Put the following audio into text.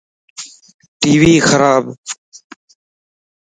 ٽي وي خراب